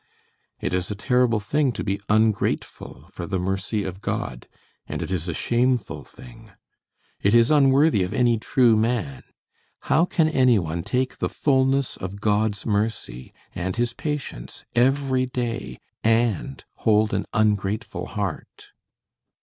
It is a terrible thing to be ungrateful for the mercy of God; and it is a shameful thing. It is unworthy of any true man. How can any one take the fullness of God's mercy and his patience every day, and hold an ungrateful heart?"